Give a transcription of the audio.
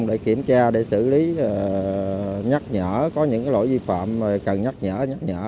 để kiểm tra để xử lý nhắc nhở có những lỗi vi phạm cần nhắc nhở nhắc nhở